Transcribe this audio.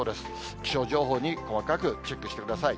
気象情報に細かくチェックしてください。